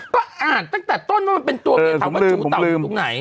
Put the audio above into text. ตั้งแต่ต้นว่ามันเป็นตรงไหน